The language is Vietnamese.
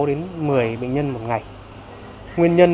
sáu đến một mươi bệnh nhân một ngày